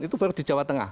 itu baru di jawa tengah